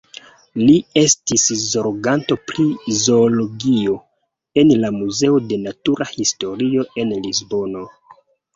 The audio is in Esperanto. Li estis zorganto pri zoologio en la Muzeo de Natura Historio en Lisbono.